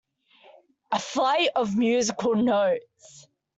A flight of musical notes.